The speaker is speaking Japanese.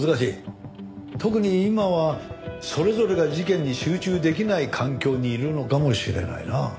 特に今はそれぞれが事件に集中できない環境にいるのかもしれないな。